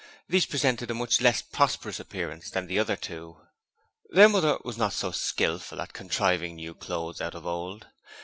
These presented a much less prosperous appearance than the other two. Their mother was not so skilful at contriving new clothes out of old.